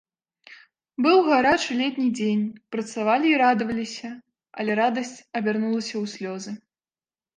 Быў гарачы летні дзень, працавалі і радаваліся, але радасць абярнулася ў слёзы.